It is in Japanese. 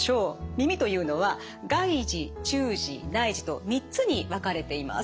耳というのは外耳中耳内耳と３つに分かれています。